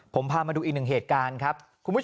ผมพามาดูอีกหนึ่งเหตุการณ์ครับ